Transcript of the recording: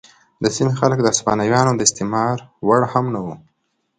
د سیمې خلک د هسپانویانو د استثمار وړ هم نه وو.